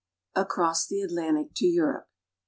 I. ACROSS THE ATLANTIC TO EUROPE.